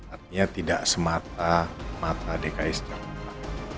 artinya tidak semata mata dki jakarta